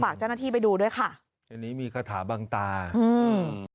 เจ้าหน้าที่ไปดูด้วยค่ะอันนี้มีคาถาบังตาอืม